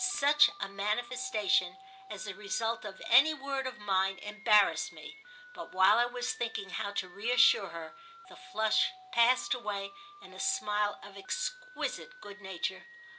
Such a manifestation, as the result of any word of mine, embarrassed me; but while I was thinking how to reassure her the flush passed away in a smile of exquisite good nature.